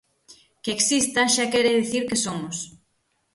Que exista xa quere dicir que somos.